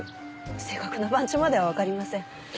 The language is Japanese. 正確な番地まではわかりません。